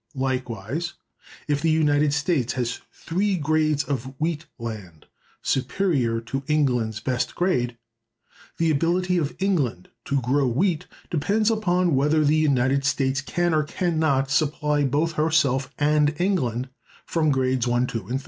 Likewise, if the United States has three grades of wheat land superior to England's best grade, the ability of England to grow wheat depends on whether the United States can, or can not, supply both herself and England from grades 1, 2, and 3.